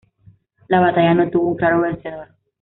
La batalla no tuvo un claro vencedor.